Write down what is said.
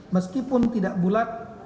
meskipun tidak bulat